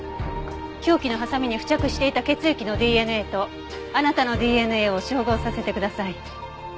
凶器のハサミに付着していた血液のＤＮＡとあなたのＤＮＡを照合させてください。